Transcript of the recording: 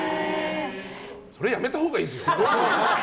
それやめたほうがいいですよ。